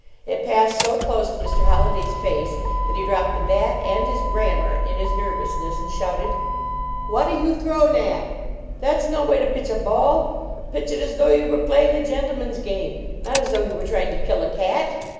It passed so close to Mr. Holliday s face that he dropped the bat and his grammar in his nervousness and shouted :" Whata you throw nat? That s noway to pitch a ball ! Pitch it as though you were playing a gentleman s game; not as though you were trying to kill a cat!